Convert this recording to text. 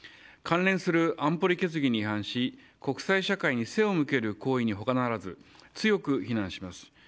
関連する安保理決議に違反し国際社会に背を向ける行為に他ならず強く非難します。